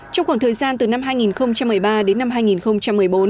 trong khoảng thời gian từ năm hai nghìn một mươi ba đến năm hai nghìn một mươi bốn